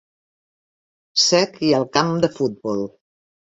Sec i al camp de futbol.